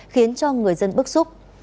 khiến cho người dân bức xúc